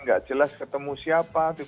gak jelas ketemu siapa